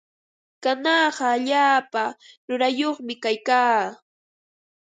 Kanaqa allaapa rurayyuqmi kaykaa.